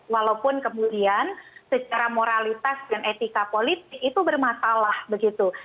walaupun kemudian secara moralitas dan etika politik itu bermasalah begitu